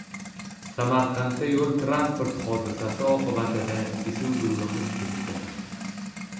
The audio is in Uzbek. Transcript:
Samarqandda yo‘l-transport hodisasi oqibatida Isuzu yonib ketdi